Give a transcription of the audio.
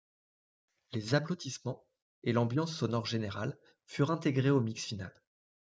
Les applaudissements et l'ambiance sonore générale furent intégrés au mix final.